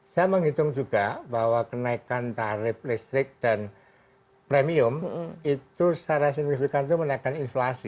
saya menghitung juga bahwa kenaikan tarif listrik dan premium itu secara signifikan itu menaikkan inflasi